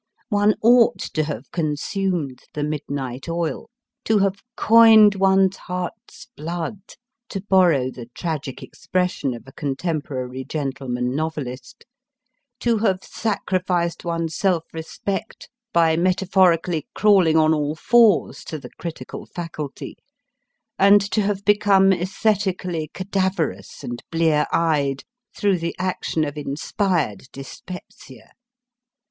One ought to have consumed the midnight oil ; to have coined one s heart s blood (to borrow the tragic expression of a contemporary gentleman novelist) ; to have sacrificed one s self respect by metaphorically crawling on all fours to the critical faculty ; and to have become aestheti cally cadaverous and blear eyed through the action of inspired dyspepsia.